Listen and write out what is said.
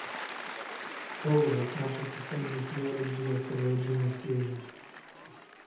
Kobol has much of the same mythology of the original series.